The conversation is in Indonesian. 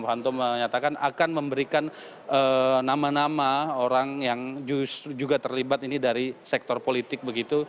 hanto menyatakan akan memberikan nama nama orang yang juga terlibat ini dari sektor politik begitu